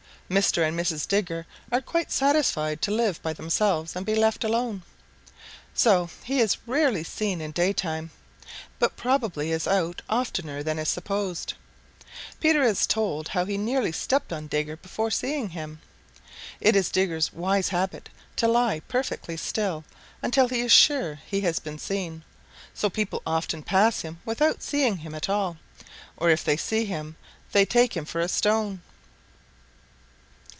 Mr. and Mrs. Digger are quite satisfied to live by themselves and be left alone. So he is rarely seen in daytime, but probably is out oftener than is supposed. Peter has told how he nearly stepped on Digger before seeing him. It is Digger's wise habit to lie perfectly still until he is sure he has been seen, so people often pass him without seeing him at all, or if they see him they take him for a stone.